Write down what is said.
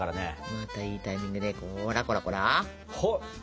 またいいタイミングでほらほらほら。